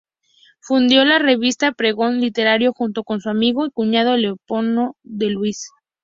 Fundó la revista "Pregón Literario" junto con su amigo y cuñado Leopoldo de Luis.